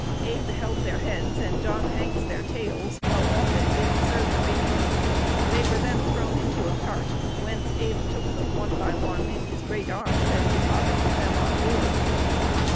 Abe held their heads, and John Hanks their tails, while Offutt did the surgery. They were then thrown into a cart, whence Abe took them, one by one, in his great arms, and deposited them on board.